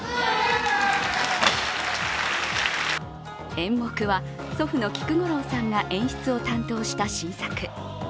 演目は、祖父の菊五郎さんが演出を担当した新作。